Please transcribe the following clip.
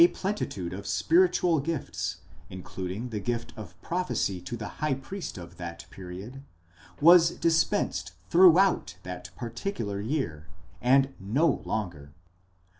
plenitude of spiritual gifts, including the gift of prophecy to the high priest of that period, was dispensed throughout that particular year,!° and no longer